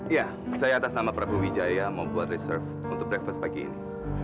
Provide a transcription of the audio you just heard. iya saya atas nama prabu wijaya mau buat reserve untuk breakfast pagi ini